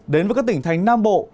đến với các tỉnh thành nam bộ